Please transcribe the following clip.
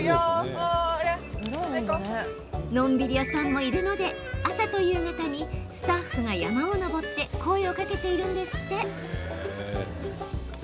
のんびり屋さんもいるので朝と夕方にスタッフが山を登って声をかけているんですって。